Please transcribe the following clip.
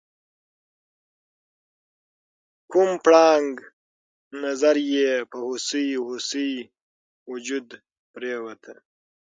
کوم پړانګ نظر یې په هوسۍ هوسۍ وجود پریوته؟